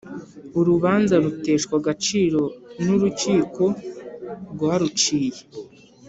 urubanza ruteshwa agaciro n’ urukiko rwaruciye